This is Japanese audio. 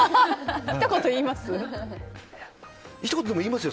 ひと言、言います？